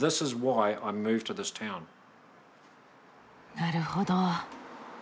なるほど。